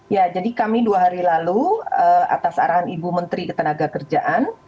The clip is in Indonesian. ya jadi kami dua hari lalu atas arahan ibu menteri ketenaga kerjaan